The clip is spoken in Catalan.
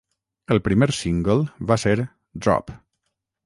El primer single va ser "Drop".